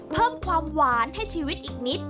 เพิ่มความหวานให้ชีวิตอีกนิด